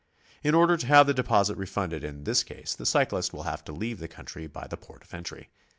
In order to have the deposit refunded in this case, the cyclist will have to leave the country by the port of entry.